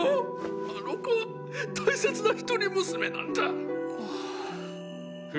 あの娘は大切な一人娘なんだッ。